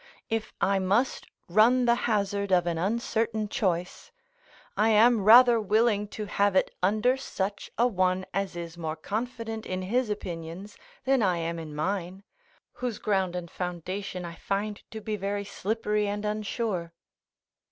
If I must run the hazard of an uncertain choice, I am rather willing to have it under such a one as is more confident in his opinions than I am in mine, whose ground and foundation I find to be very slippery and unsure.